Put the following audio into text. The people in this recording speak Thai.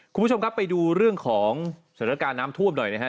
คุณผู้ชมครับไปดูเรื่องของสถานการณ์น้ำท่วมหน่อยนะฮะ